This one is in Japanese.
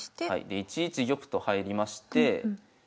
で１一玉と入りまして。